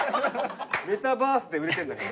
メタバースで売れてるんだから。